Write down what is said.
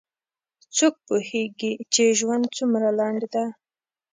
څوک پوهیږي چې ژوند څومره لنډ ده